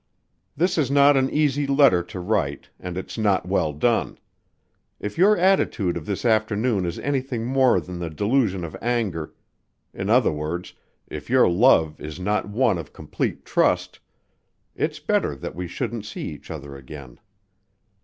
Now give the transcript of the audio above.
This is not an easy letter to write and it's not well done. If your attitude of this afternoon is anything more than the delusion of anger in other words, if your love is not one of complete trust, it's better that we shouldn't see each other again.